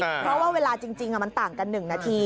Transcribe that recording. เพราะว่าเวลาจริงมันต่างกัน๑นาที